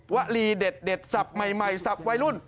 วลีเด็ดสับใหม่สับวัยรุ่น